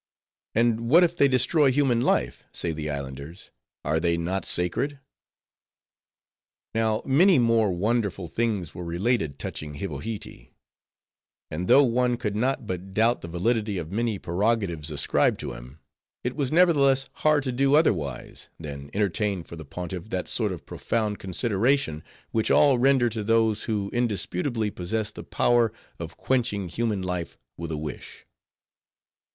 "And what if they destroy human life?" say the Islanders, "are they not sacred?" Now many more wonderful things were related touching Hivohitee; and though one could not but doubt the validity of many prerogatives ascribed to him, it was nevertheless hard to do otherwise, than entertain for the Pontiff that sort of profound consideration, which all render to those who indisputably possess the power of quenching human life with a wish.